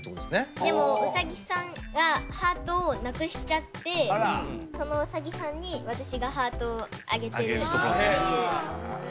でもウサギさんがハートをなくしちゃってそのウサギさんに私がハートをあげてるっていう絵です。